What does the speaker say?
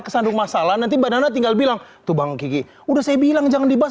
kesandung masalah nanti mbak nana tinggal bilang tuh bang kiki udah saya bilang jangan dibahas